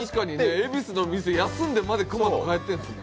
恵比寿の店、休んでまで熊野に帰ってるんですね。